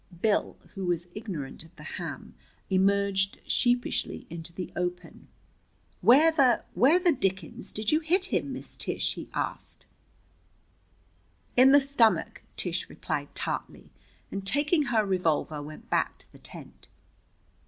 Bill, who was ignorant of the ham, emerged sheepishly into the open. "Where the where the dickens did you hit him, Miss Tish?" he asked. "In the stomach," Tish replied tartly, and taking her revolver went back to the tent.